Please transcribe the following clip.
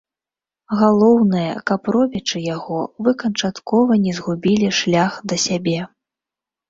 Галоўнае, каб робячы яго, вы канчаткова не згубілі шлях да сябе.